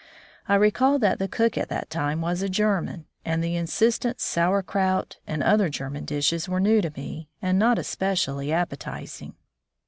I recall that the cook at that time was a German, and the insistent sauerkraut and other German dishes were new to me and not especially appetizing.